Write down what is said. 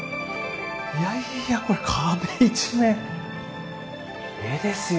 いやいやこれ壁一面絵ですよ